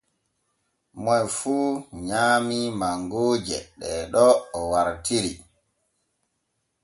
Moy fu nyaamii mangooje ɗee ɗo o wartiri.